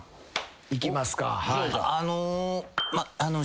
いきますか。